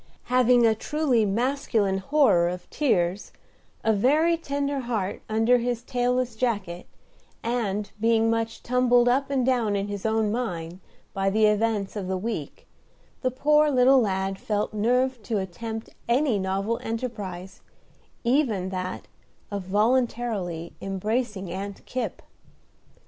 Having a truly masculine horror of tears, a very tender heart under his tailless jacket, and being much "tumbled up and down in his own mind" by the events of the week, the poor little lad felt nerved to attempt any novel enterprise, even that of voluntarily embracing Aunt Kipp.